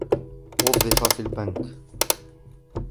وظف في البنك